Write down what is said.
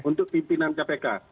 untuk pimpinan kpk